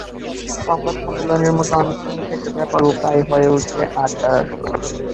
সংবাদ সম্মেলনের মতো আনুষ্ঠানিক একটা ব্যাপারও প্রায়ই হয়ে ওঠে আড্ডার আসর।